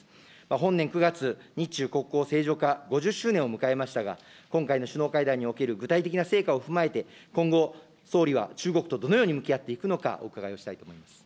本年９月、日中国交正常化５０周年を迎えましたが、今回の首脳会談における具体的な成果を踏まえて、今後、総理は中国とどのように向き合っていくのか、お伺いをしたいと思います。